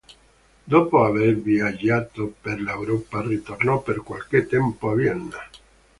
Dopo aver viaggiato per l'Europa ritornò per qualche tempo a Vienna.